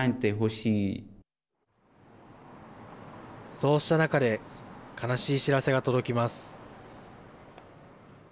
そうした中で悲しい知らせが届きます。